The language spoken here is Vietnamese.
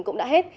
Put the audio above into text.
cũng đã hết